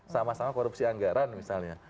sama sama korupsi anggaran misalnya